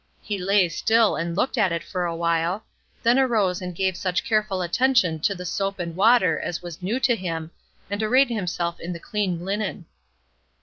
He lay still and looked at it for a while, then arose and gave such careful attention to the soap and water as was new to him, and arrayed himself in the clean linen.